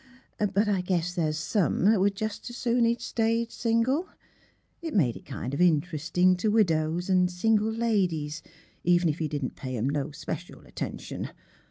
But I guess there's some 'at would just as soon he'd stayed single. It made it kind o' interestin' to widows an' single ladies, even if he didn't pay 'em no special attention.